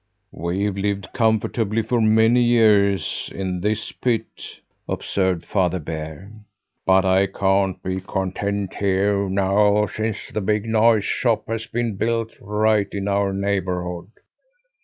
"We've lived comfortably for many years in this pit," observed Father Bear. "But I can't be content here now since the big noise shop has been built right in our neighbourhood.